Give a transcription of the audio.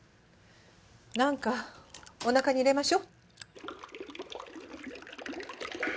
なんかおなかに入れましょ。